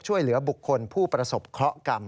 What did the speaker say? ช่วยเหลือบุคคลผู้ประสบเคาะกรรม